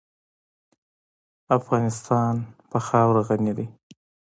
افغانستان په خاوره غني دی.